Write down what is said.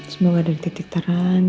semoga ada di titik terang